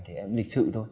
thì em lịch sự thôi